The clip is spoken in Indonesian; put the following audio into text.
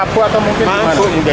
mabuk mungkin mas